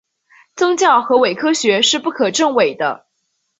宗教和伪科学是不可证伪的。